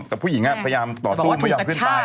แต่ผู้หญิงพยายามต่อสู้ไม่ยอมขึ้นไป